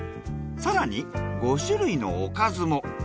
更に５種類のおかずも。